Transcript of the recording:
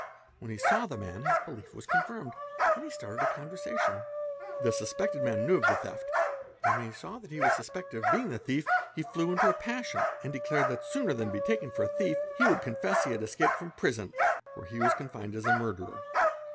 When he saw the man, his belief was confirmed and he started a conver sation. The suspected man knew of the theft, and when he saw that he was suspected of being the thief, he flew into a passion and declared that sooner than be taken for a thief, he would confess that he had escapec from prison where he was confined as a murderer.